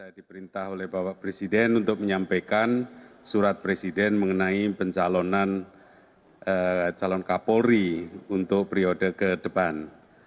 diperintah oleh bapak presiden untuk menyampaikan surat presiden mengenai pencalonan calon kapolri untuk periode ke depan